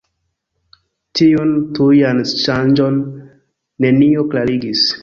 Tiun tujan ŝanĝon nenio klarigis.